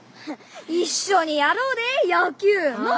一緒にやろうで野球なあ？